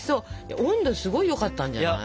温度すごいよかったんじゃない？